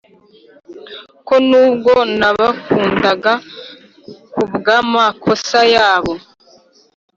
ko nubwo nabakundaga kubwamakosa yabo